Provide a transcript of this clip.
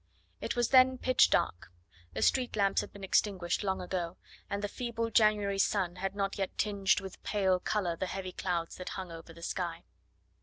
It was then pitch dark. The street lamps had been extinguished long ago, and the feeble January sun had not yet tinged with pale colour the heavy clouds that hung over the sky.